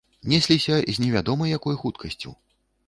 Несліся з невядома якой хуткасцю.